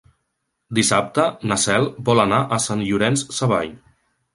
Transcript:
Dissabte na Cel vol anar a Sant Llorenç Savall.